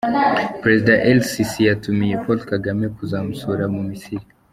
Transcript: Perezida El Sisi yatumiye Paul Kagame kuzamusura mu Misiri.